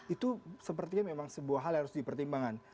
itu sepertinya memang sebuah hal yang harus dipertimbangkan